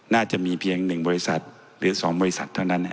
น่าจะมีเพียง๑บริษัทหรือ๒บริษัทเท่านั้น